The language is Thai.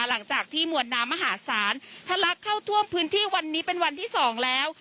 หลังจากที่มวลน้ำมหาศาลทะลักเข้าท่วมพื้นที่วันนี้เป็นวันที่สองแล้ว